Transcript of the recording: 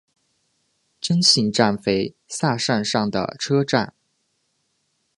真幸站肥萨线上的车站。